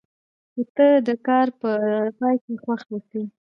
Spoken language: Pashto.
چې ته د کار په پای کې خوښ اوسې.